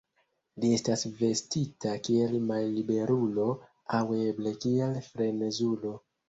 Li estas vestita kiel malliberulo aŭ eble kiel frenezulo.